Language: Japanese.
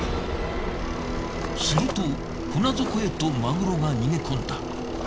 すると船底へとマグロが逃げ込んだ。